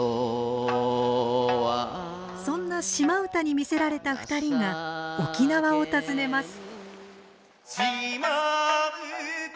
そんな島唄に魅せられた２人が沖縄を訪ねます。